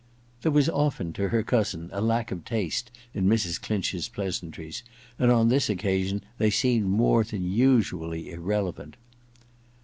' There was often, to her cousin, a lack of taste in Mrs. Clinch's pleasantries, and on this occasion they seemed more than usually irrelevant.